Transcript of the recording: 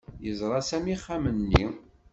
Yeẓra Sami axxam-nni.